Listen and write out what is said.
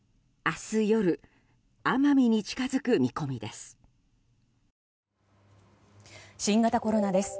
明日夜奄美に近づく見込みです。